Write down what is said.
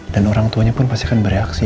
dan orang tuanya pun pasti akan bereaksi